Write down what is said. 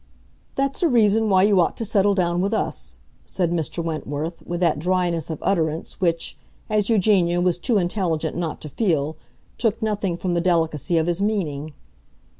"That's a reason why you ought to settle down with us," said Mr. Wentworth, with that dryness of utterance which, as Eugenia was too intelligent not to feel, took nothing from the delicacy of his meaning.